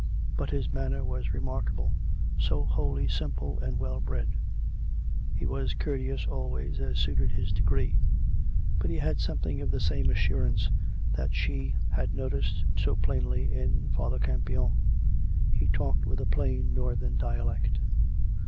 But his manner was remarkable, so wholly simple and well bred: he was courteous always, as suited his degree; but he had something of the same assurance that she had noticed so plainly in Father Cam pion. (He talked with a plain. Northern dialect.)